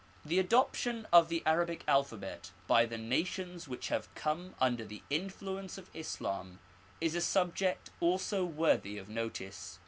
The adoption of the Arabic alphabet by the nations which have come under the influence of Islam is a subject also worthy of notice.